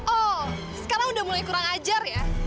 oh sekarang udah mulai kurang ajar ya